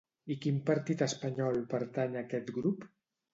I quin partit espanyol pertany a aquest grup?